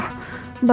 bakal ada masalah